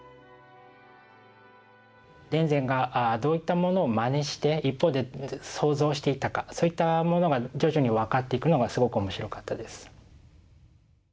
田善がどういったものをまねして一方で創造していたかそういったものが徐々に分かっていくのがすごく面白かったです。